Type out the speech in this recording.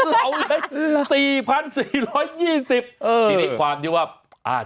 ที่ได้ความที่ว่า